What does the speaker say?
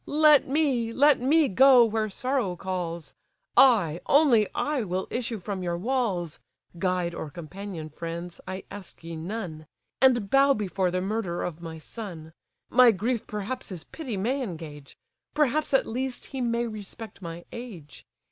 let me, let me go where sorrow calls; I, only I, will issue from your walls (Guide or companion, friends! I ask ye none), And bow before the murderer of my son. My grief perhaps his pity may engage; Perhaps at least he may respect my age.